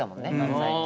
最近。